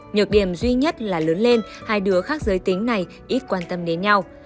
nhược điểm duy nhất là lớn lên hai đứa khác giới tính này ít quan tâm đến nhau